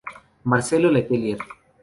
Marcelo Letelier.